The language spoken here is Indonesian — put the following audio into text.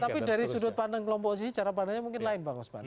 tapi dari sudut pandang kelompok oposisi cara pandangnya mungkin lain pak kosman